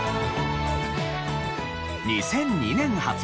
２００２年発売